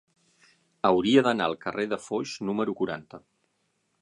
Hauria d'anar al carrer de Foix número quaranta.